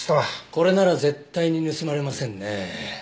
これなら絶対に盗まれませんね。